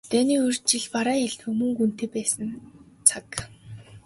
Дайны урьд жил бараа элбэг, мөнгө ч үнэтэй байсан цаг.